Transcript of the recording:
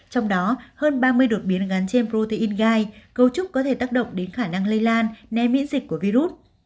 trong đó hơn ba mươi đột biến gắn trên protein gai cấu trúc có thể tác động đến khả năng lây lan né miễn dịch của virus